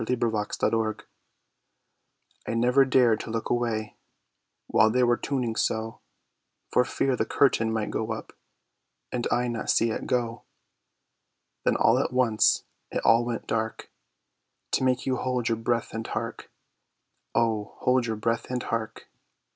The Play's the Thing I never dared to look away While they were tuning so, For fear the Curtain might go up, And I not see it go! Then all at once, it all went Dark; To make you hold your breath and hark, Oh, hold your breath and hark!